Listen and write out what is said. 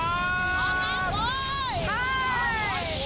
คุณอโนไทจูจังขอแสดงความจริงกับผู้ที่ได้รับรางวัลครับ